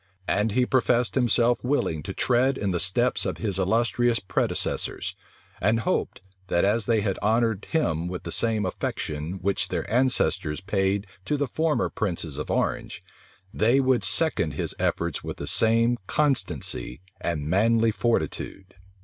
And he professed himself willing to tread in the steps of his illustrious predecessors, and hoped, that as they had honored him with the same affection which their ancestors paid to the former princes of Orange, they would second his efforts with the same constancy and manly fortitude.